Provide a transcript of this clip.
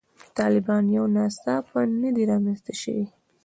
طالبان یو ناڅاپه نه دي رامنځته شوي.